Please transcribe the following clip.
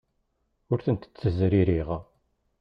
Ur tent-ttezririɣ.